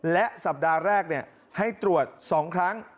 และสัปดาห์แรกให้ตรวจ๒ครั้ง